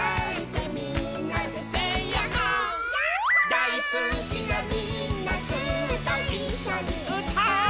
「だいすきなみんなずっといっしょにうたおう」